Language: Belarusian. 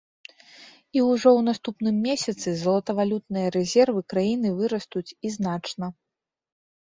І ўжо ў наступным месяцы золатавалютныя рэзервы краіны вырастуць і значна.